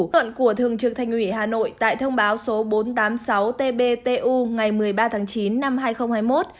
thuận của thường trực thành ủy hà nội tại thông báo số bốn trăm tám mươi sáu tbtu ngày một mươi ba tháng chín năm hai nghìn hai mươi một